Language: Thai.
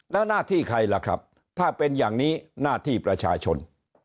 แล้วหน้าที่ใครล่ะครับถ้าเป็นอย่างนี้หน้าที่ประชาชน